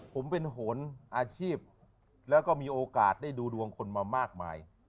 ผมเป็นโหนอาชีพแล้วก็มีโอกาสได้ดูดวงคนมามากมาย